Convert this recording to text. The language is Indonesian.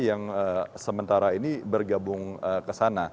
yang sementara ini bergabung ke sana